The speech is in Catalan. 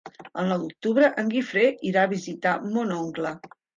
El nou d'octubre en Guifré irà a visitar mon oncle.